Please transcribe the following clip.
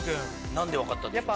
何で分かったんですか？